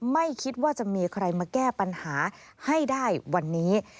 ไม่คิดว่าจะมีใครมาแก้ปัญหาให้ได้วันนี้